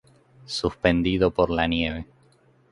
Suspendido por la nieve.